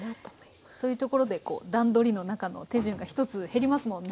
そういうところで段取りの中の手順が１つ減りますもんね。